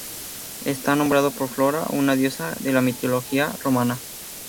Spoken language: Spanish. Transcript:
Está nombrado por Flora, una diosa de la mitología romana.